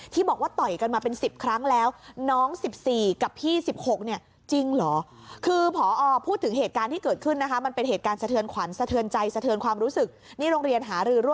ที่บอกว่าต่อยกันมาเป็น๑๐ครั้งแล้วน้อง๑๔กับพี่๑๖เนี่ยจริงเหรอ